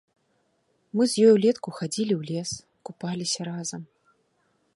Мы з ёй улетку хадзілі ў лес, купаліся разам.